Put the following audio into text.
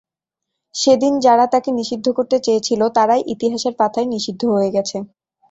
সেদিন যারা তাঁকে নিষিদ্ধ করতে চেয়েছিল, তারাই ইতিহাসের পাতায় নিষিদ্ধ হয়ে গেছে।